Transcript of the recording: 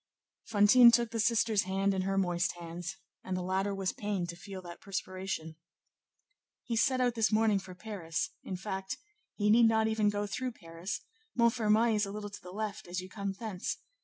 Fantine took the sister's hand in her moist hands, and the latter was pained to feel that perspiration. "He set out this morning for Paris; in fact, he need not even go through Paris; Montfermeil is a little to the left as you come thence.